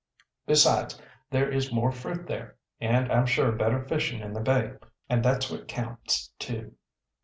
Besides, there is more fruit there, and I'm sure better fishing in the bay, and that's what counts, too."